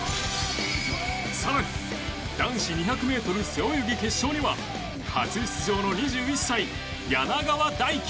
更に、男子２００ｍ背泳ぎ決勝には初出場の２１歳、柳川大樹。